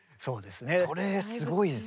それすごいですね。